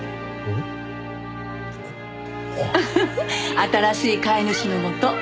新しい飼い主のもと。